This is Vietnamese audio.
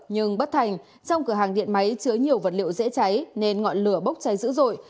nhưng bất thành trong cửa hàng điện máy chứa nhiều vật liệu dễ cháy nên ngọn lửa bốc cháy dữ dội